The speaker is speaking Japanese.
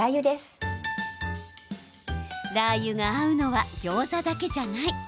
ラー油が合うのはギョーザだけじゃない！